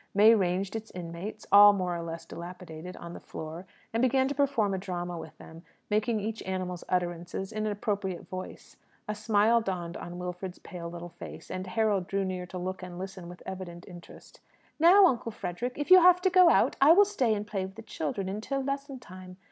May ranged its inmates all more or less dilapidated on the floor, and began to perform a drama with them, making each animal's utterances in an appropriate voice. A smile dawned on Wilfred's pale little face, and Harold drew near to look and listen with evident interest. "Now, Uncle Frederick, if you have to go out, I will stay and play with the children, until lesson time.